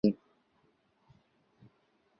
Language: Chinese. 田端新町是东京都北区的町名。